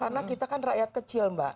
karena kita kan rakyat kecil mbak